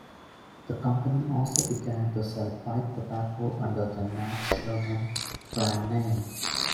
The company also began to sell pipe tobacco under the "Nat Sherman" brand name.